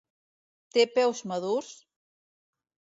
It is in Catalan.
Té peus madurs?